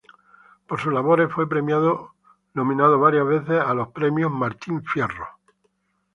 Por sus labores fue nominado varias veces a los Premios Martín Fierro.